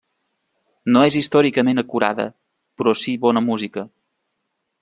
No és històricament acurada, però si bona música.